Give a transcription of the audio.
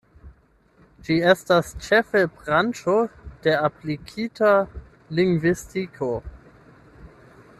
Ĝi estas ĉefe branĉo de aplikita lingvistiko.